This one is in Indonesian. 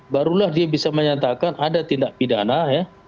barulah dia bisa menyatakan ada tindak pidana ya